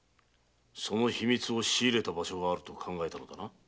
その秘密を仕入れた場所があると考えたのだな？